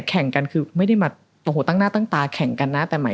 แข่งกันคือไม่ได้มาตั้งหน้าตั้งตาแข่งกันนะ